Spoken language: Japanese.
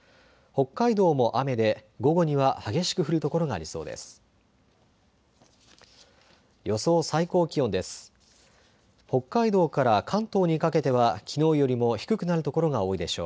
北海道も雨で午後には激しく降る所がありそうです。